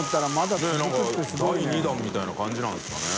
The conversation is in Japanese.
第２弾みたいな感じなんですかね。